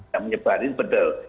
yang menyebarin bedel